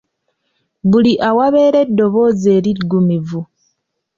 Buli awabeera eddoboozi eriggumivu.